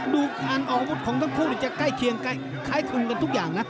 ดูการออกอาวุธของทั้งคู่จะใกล้เคียงคล้ายคลึงกันทุกอย่างนะ